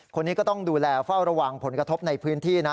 คนนี้ก็ต้องดูแลเฝ้าระวังผลกระทบในพื้นที่นะ